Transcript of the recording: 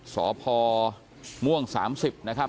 สภม๓๐นะครับ